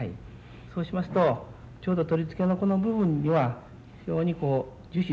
そうしますとちょうど取り付けのこの部分には非常にこう樹脂でですね